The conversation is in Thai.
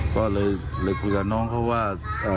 ก็เลยคุยกับน้องเขาว่า